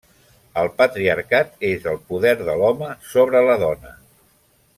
El patriarcat és el poder de l'home sobre la dona.